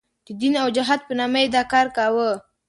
د دین او جهاد په نامه یې دا کار کاوه.